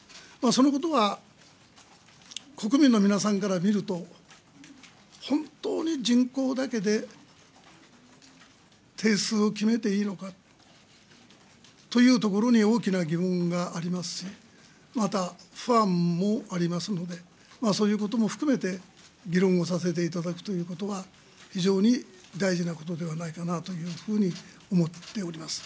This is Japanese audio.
そのことは国民の皆さんから見ると、本当に人口だけで定数を決めていいのかというところに大きな疑問がありますし、また、不安もありますので、そういうことも含めて、議論をさせていただくということは、非常に大事なことではないかなというふうに思っております。